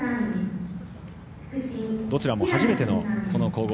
どちらも初めての皇后盃